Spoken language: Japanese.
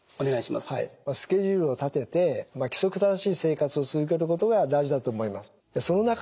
スケジュールを立てて規則正しい生活を続けることが大事だと思います。